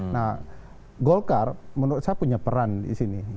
nah golkar menurut saya punya peran di sini